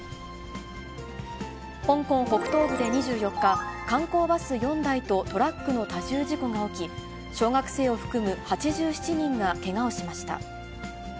香港北東部で２４日、観光バス４台とトラックの多重事故が起き、小学生を含む８７人がけがをしました。